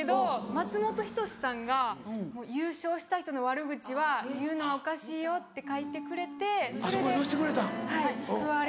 松本人志さんが「優勝した人の悪口は言うのはおかしいよ」って書いてくれてそれで救われました。